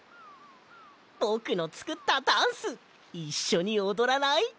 ぼくのつくったダンスいっしょにおどらない？